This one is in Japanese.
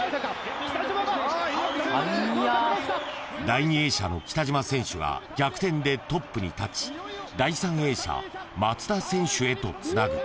［第２泳者の北島選手が逆転でトップに立ち第３泳者松田選手へとつなぐ］